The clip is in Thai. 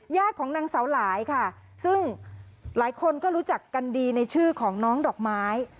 ของนางเสาหลายค่ะซึ่งหลายคนก็รู้จักกันดีในชื่อของน้องดอกไม้